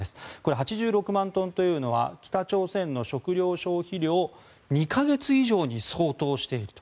８６万トンというのは北朝鮮の食糧消費量２か月以上に相当していると。